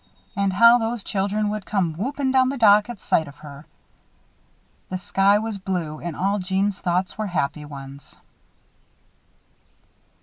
And how those children would come whooping down the dock at sight of her! The sky was blue and all Jeanne's thoughts were happy ones.